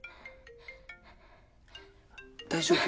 大丈夫？